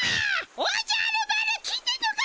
おじゃる丸聞いてんのか！